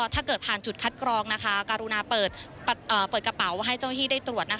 ถ้าเกิดผ่านจุดคัดกรองการุณาเปิดกระเป๋าให้เจ้าหน้าที่ได้ตรวจ